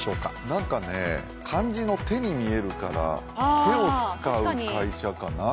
何かね、漢字の「手」に見えるから手を使う会社かな？